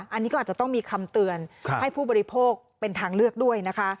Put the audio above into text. อันนี้ก็อาจจะต้องมีคำเตือนให้ผู้บริโภคเป็นทางเลือกด้วยนะคะ